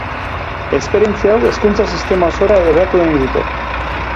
Esperientzia hau hezkuntza-sistema osora hedatu nahi dute.